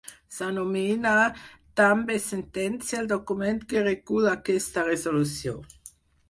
S'anomena també sentència el document que recull aquesta resolució.